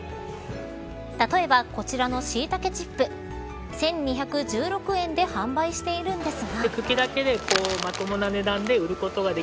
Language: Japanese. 例えば、こちらの椎茸チップ１２１６円で販売しているんですが。